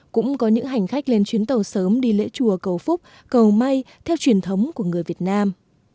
cũng có những hành khách lên chuyến tàu sớm đi lễ chùa cầu phúc cầu may theo truyền thống của người việt nam